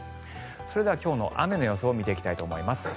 それでは今日の雨の予想見ていきたいと思います。